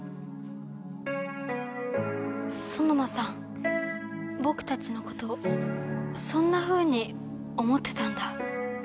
ソノマさんぼくたちのことそんなふうに思ってたんだ。